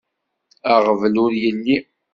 Aɣbel ur yelli.